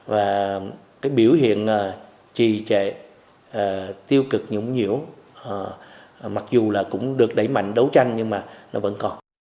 và cái biểu hiện trì trệ tiêu cực nhũng nhiễu mặc dù là cũng được đẩy mạnh đấu tranh nhưng mà nó vẫn còn